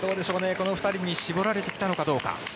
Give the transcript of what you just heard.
この２人に絞られてきたのかどうか。